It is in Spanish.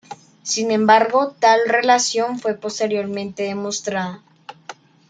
Sin embargo, tal relación fue posteriormente demostrada.